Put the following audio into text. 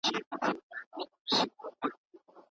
په اسلامي حکومت کښي شکل مهم نه دئ.